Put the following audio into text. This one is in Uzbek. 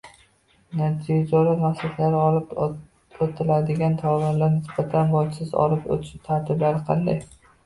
notijorat maqsadlarda olib o’tiladigan tovarlarga nisbatan bojsiz olib o’tish tartiblari qanday?